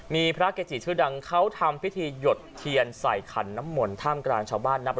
มีพระเกจิชื่อดังเขาทำพิธีหยดเทียนใส่ขันน้ำมนต์ท่ามกลางชาวบ้านนับ